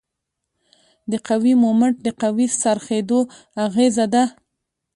د قوې مومنټ د قوې د څرخیدو اغیزه ده.